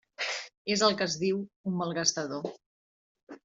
És el que es diu un malgastador.